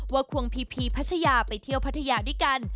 ควงพีพีพัชยาไปเที่ยวพัทยาด้วยกัน